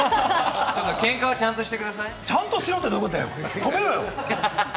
けんかはちゃんとしてくださいよ。